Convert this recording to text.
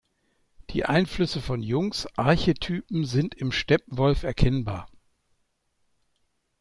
Die Einflüsse von Jungs Archetypen sind im Steppenwolf erkennbar.